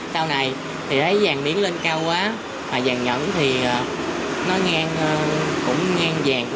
sau này thì thấy vàng miến lên cao quá và vàng nhẫn thì nó ngang giàn